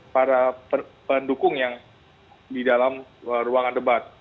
para pendukung yang di dalam ruangan debat